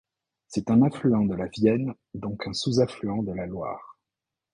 C'est un affluent de la Vienne, donc un sous-affluent de la Loire.